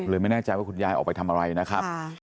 ไม่แน่ใจว่าคุณยายออกไปทำอะไรนะครับ